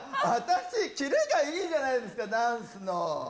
私、キレがいいじゃないですか、ダンスの。